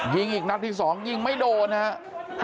ยิงอีกนัดที่สองยิงไม่โดนนะฮะ